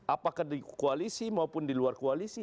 apakah di koalisi maupun di luar koalisi